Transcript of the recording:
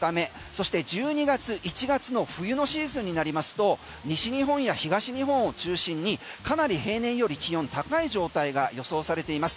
そして１２月、１月の冬のシーズンになりますと西日本や東日本を中心にかなり平年より気温高い状態が予想されています。